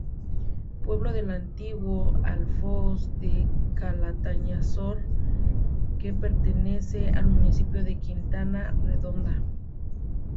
Pueblo del antiguo Alfoz de Calatañazor que pertenece al municipio de Quintana Redonda.